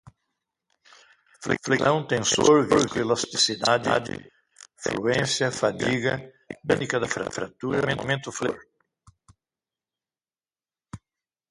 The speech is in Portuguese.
flexão, tensor, viscoelasticidade, fluência, fadiga, mecânica da fratura, momento fletor